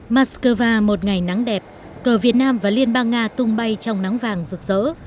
moscow một ngày nắng đẹp cờ việt nam và liên bang nga tung bay trong nắng vàng rực rỡ